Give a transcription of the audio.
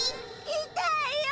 いたいよ！